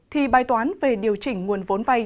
thì bài toán về điều chỉnh nguồn vốn vay